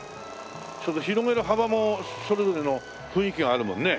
広げる幅もそれぞれの雰囲気があるもんね。